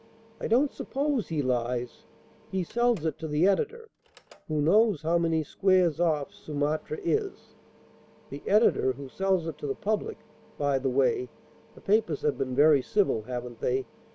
I don't suppose he lies; he sells it to the editor, who knows how many squares off "Sumatra" is. The editor, who sells it to the public by the way, the papers have been very civil haven't they?